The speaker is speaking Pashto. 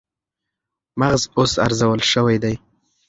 مغز اوس ارزول شوی دی